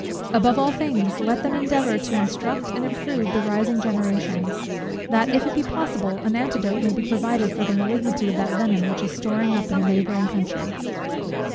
Above all things, let them endeavour to instruct and improve the rising generation; that, if it be possible, an antidote may be provided for the malignity of that venom, which is storing up in a neighbouring country.